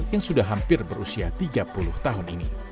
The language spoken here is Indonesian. yang sudah hampir berusia tiga puluh tahun ini